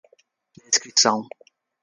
descrição